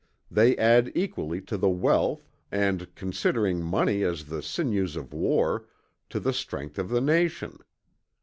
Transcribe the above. They add equally to the wealth, and, considering money as the sinews of war, to the strength of the nation.